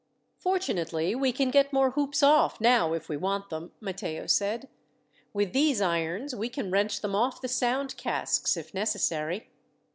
"Fortunately, we can get more hoops off now if we want them," Matteo said. "With these irons we can wrench them off the sound casks, if necessary."